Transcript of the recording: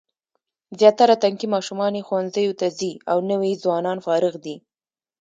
زیاتره تنکي ماشومان یې ښوونځیو ته ځي او نوي ځوانان فارغ دي.